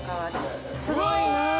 すごいな。